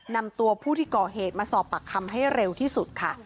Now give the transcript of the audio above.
นำตัวผู้ที่ก่อเหตุมาสอบปากคำให้เร็วที่สุดค่ะ